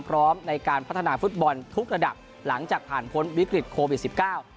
พร้อมในการพัฒนาฟุตบอลทุกระดับหลังจากผ่านพ้นวิกฤตโควิดสิบเก้า